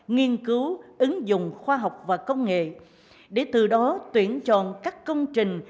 nghiên cứu ứng dụng khoa học và công nghệ để từ đó tuyển chọn các công trình